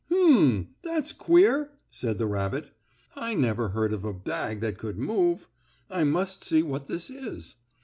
"Hum! That's queer," said the rabbit, "I never heard of a bag that could move. I must see what this is."